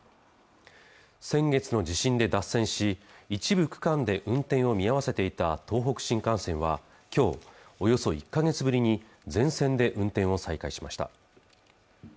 先月の地震で脱線し一部区間で運転を見合わせていた東北新幹線はきょうおよそ１か月ぶりに全線で運転を再開しました